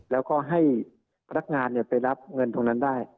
แล้วก็ให้พนักงานไปรับเงินตรงนั้นได้